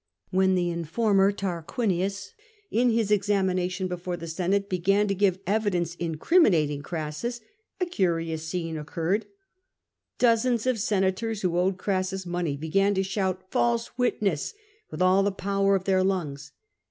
When the in former Tarquinius, in his examination before the Senate, began to give evidence incriminating Crassus, a curious scene occurred. Dozens of senators who owed Crassus money began to shout "False witness" with all the power of their lungs.